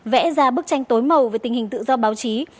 vẽ ra bức tranh tối màu về tình hình tự do báo chí